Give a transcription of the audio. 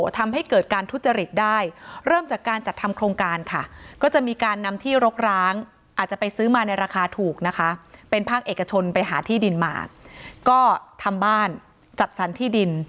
ถ้าเอกชนไปหาที่ดินมาก็ทำบ้านจัดสรรที่ดิน